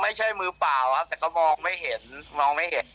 ไม่ใช่มือเปล่าครับแต่ก็มองไม่เห็น